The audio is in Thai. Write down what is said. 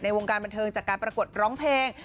วงการบันเทิงจากการประกวดร้องเพลง